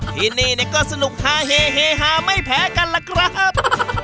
ที่นี่ก็สนุกฮาเฮเฮฮาไม่แพ้กันล่ะครับ